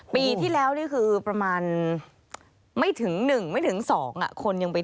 ปีที่แล้วนี่คือประมาณไม่ถึง๑ไม่ถึง๒คนยังไป